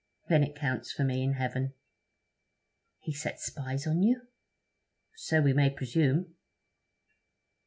'Then it counts for me in heaven.' 'He set spies on you?' 'So we may presume.'